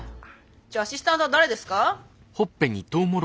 じゃあアシスタントは誰ですか？